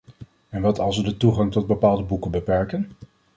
En wat als ze de toegang tot bepaalde boeken beperken?